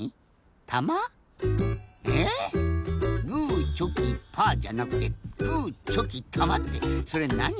たま？え？「グーチョキパー」じゃなくて「グーチョキたま」ってそれなに？